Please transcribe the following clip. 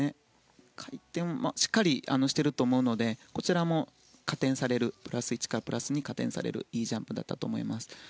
回転はしっかりしていると思うのでこちらもプラス１からプラス２が加点されるいいジャンプだったと思います。